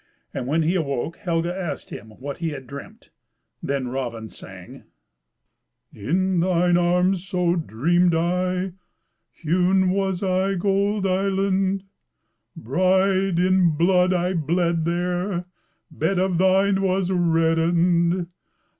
And when he woke Helga asked him what he had dreamt. Then Raven sang: "In thine arms, so dreamed I, Hewn was I, gold island! Bride, in blood I bled there, Bed of thine was reddened.